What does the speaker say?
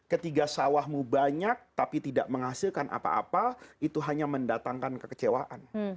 ketika sawahmu banyak tapi tidak menghasilkan apa apa itu hanya mendatangkan kekecewaan